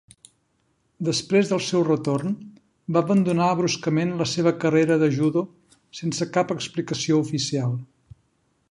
Després del seu retorn, va abandonar bruscament la seva carrera de judo sense cap explicació oficial.